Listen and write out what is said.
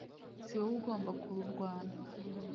si wowe ugomba kururwana